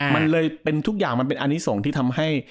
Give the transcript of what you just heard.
มันเลยเป็นทุกอย่างมันเป็นอันนี้ส่งที่ทำให้